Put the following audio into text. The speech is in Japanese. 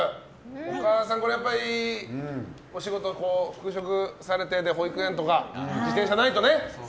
お母さん、これはやっぱりお仕事に復職されて保育園とか自転車ないとね。